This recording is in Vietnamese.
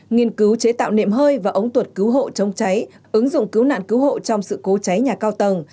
nghiên cứu chế tạo nệm hơi và ống tuột cứu hộ chống cháy ứng dụng cứu nạn cứu hộ trong sự cố cháy nhà cao tầng